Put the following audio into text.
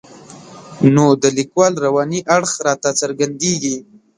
نو د لیکوال رواني اړخ راته څرګندېږي.